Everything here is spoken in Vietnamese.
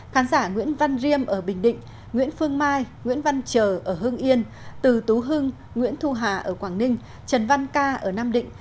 khán giả nguyễn văn riêm ở bình định nguyễn phương mai nguyễn văn trờ ở hưng yên từ tú hưng nguyễn thu hà ở quảng ninh trần văn ca ở nam định